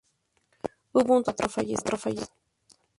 Hubo un total de cuatro fallecidos.